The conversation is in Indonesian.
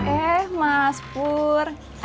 eh mas pur ada apa